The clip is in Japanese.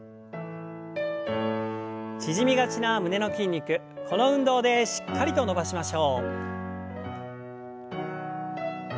縮みがちな胸の筋肉この運動でしっかりと伸ばしましょう。